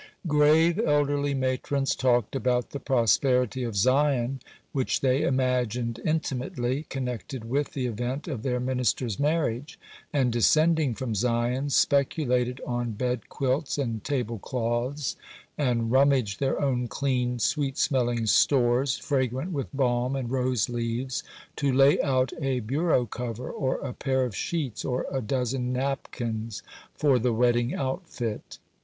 Grave elderly matrons talked about the 'prosperity of Zion,' which they imagined intimately connected with the event of their minister's marriage; and descending from 'Zion,' speculated on bed quilts and table cloths, and rummaged their own clean, sweet smelling stores, fragrant with balm and rose leaves, to lay out a bureau cover, or a pair of sheets, or a dozen napkins for the wedding outfit.